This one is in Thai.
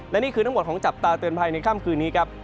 และนี่คือทั้งหมดของจับตาเตือนภัยในค่ำคืนนี้ครับ